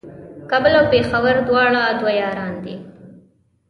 کابل او پېښور دواړه دوه یاران دي